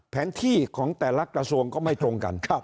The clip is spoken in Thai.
แผนที่ของแต่ละกระทรวงก็ไม่ตรงกัน